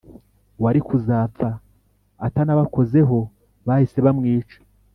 Uwari kuzapfa atanabakozeho bahise bamwica